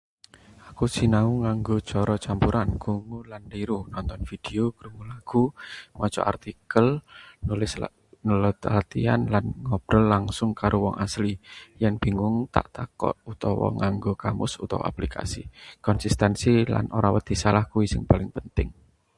Aku sinau nganggo cara campuran, krungu lan niru. nonton video, krungu lagu, maca buku utawa artikel, nulis latihan, lan ngobrol langsung karo wong asli. Yen bingung tak takon utawa nganggo kamus utawa aplikasi. Konsistensi lan ora wedi salah kuwi sing paling penting.